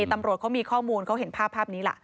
ตำรวจมีข้อมูลเห็นภาพเผ่นนี้